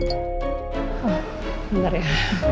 oh bentar ya